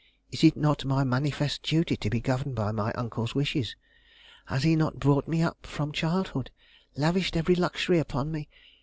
"Is it not my manifest duty to be governed by my uncle's wishes? Has he not brought me up from childhood? lavished every luxury upon me?